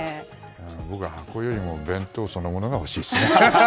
僕は、箱よりも弁当そのものが欲しいですね。